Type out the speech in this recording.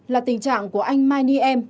là tình trạng của anh mai ni em